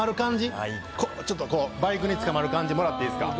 ちょっとこうバイクにつかまる感じもらっていいですか？